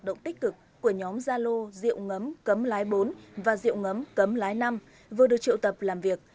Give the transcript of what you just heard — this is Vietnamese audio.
động tích cực của nhóm gia lô rượu ngấm cấm lái bốn và rượu ngấm cấm lái năm vừa được triệu tập làm việc